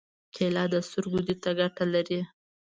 کېله د سترګو دید ته ګټه لري.